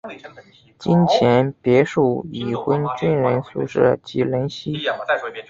金钱别墅已婚军人宿舍及林夕。